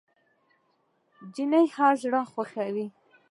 نجلۍ هر زړه خوښوي.